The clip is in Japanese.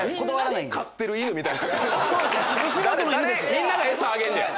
みんなが餌あげんねや。